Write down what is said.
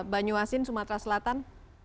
banyuwasin sumatera selatan